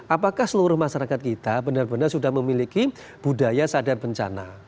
apakah seluruh masyarakat kita benar benar sudah memiliki budaya sadar bencana